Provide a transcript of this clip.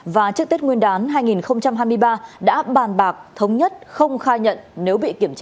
và trước tết nguyên đán hai nghìn hai mươi ba đã bàn bạc thống nhất không khai nhận nếu bị kiểm tra